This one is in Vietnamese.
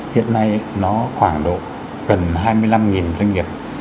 hiện nay nó khoảng độ gần hai mươi năm doanh nghiệp